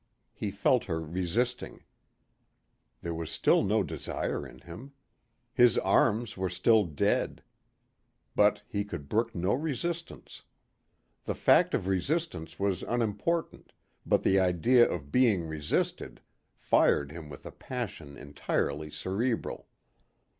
He felt her resisting. There was still no desire in him. His arms were still dead. But he could brook no resistance. The fact of resistance was unimportant but the idea of being resisted fired him with a passion entirely cerebral.